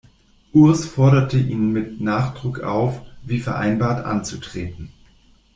Urs forderte ihn mit Nachdruck auf, wie vereinbart anzutreten.